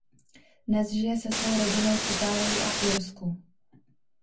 Dnes žije se svou rodinou v Itálii a Irsku.